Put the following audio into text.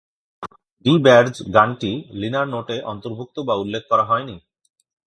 DeBarge গানটি liner নোটে অন্তর্ভুক্ত বা উল্লেখ করা হয়নি।